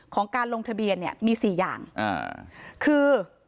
ของการลงทะเบียนเนี่ยมีสี่อย่างคือ